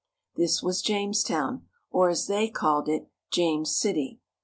This was Jamestown, or, as they called it, James City.